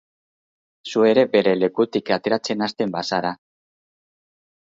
Zu ere bere lekutik ateratzen hasten bazara.